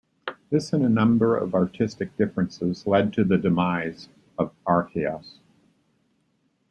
This, and a number of artistic differences, led to the demise of Archaos.